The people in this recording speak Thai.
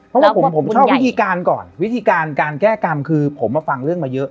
เพราะว่าผมชอบวิธีการก่อนวิธีการการแก้กรรมคือผมมาฟังเรื่องมาเยอะ